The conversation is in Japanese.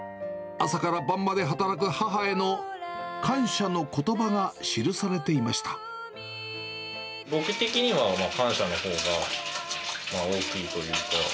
そこには、離婚後、朝から晩まで働く母への感謝のことばが記されていました。